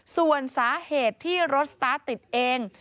ส่วนสาเหตุที่รถสตาร์ทติดเอง